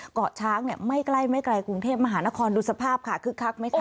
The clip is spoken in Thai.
เกาะช้างไม่ใกล้ไม่ไกลกรุงเทพมหานครดูสภาพค่ะคึกคักไหมคะ